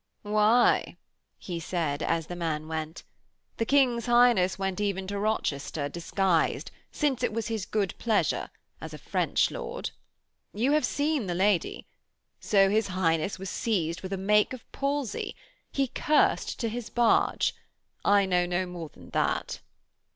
'Why?' he said, as the man went. 'The King's Highness went even to Rochester, disguised, since it was his good pleasure, as a French lord. You have seen the lady. So his Highness was seized with a make of palsy. He cursed to his barge. I know no more than that.'